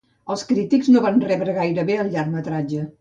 Els crítics no van rebre gaire bé el llargmetratge.